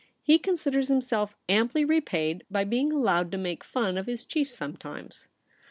He considers himself amply repaid by being allowed to make fun of his chief sometimes.'